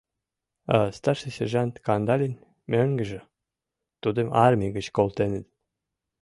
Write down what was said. — А старший сержант Кандалин — мӧҥгыжӧ, тудым армий гыч колтеныт.